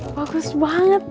bagus banget di